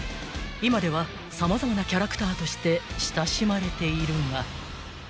［今では様々なキャラクターとして親しまれているが］